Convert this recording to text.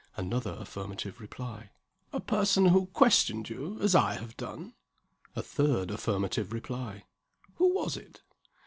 Another affirmative reply. "A person who questioned you, as I have done?" A third affirmative reply. "Who was it?"